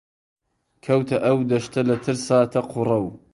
کەوتە ئەو دەشتە لە ترسا تەق و ڕەو